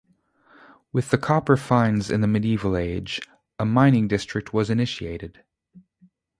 With the copper finds in the medieval age, a mining district was initiated.